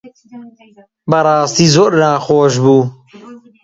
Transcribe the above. بەڕاستی زۆر ناخۆش بوو.